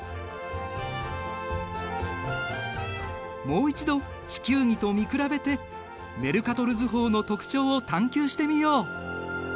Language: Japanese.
もう一度地球儀と見比べてメルカトル図法の特徴を探究してみよう。